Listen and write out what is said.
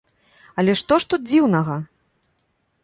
Але што ж тут дзіўнага!?